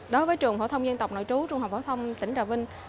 đối với trường phổ thông dân tộc nội trú trung học phổ thông tỉnh trà vinh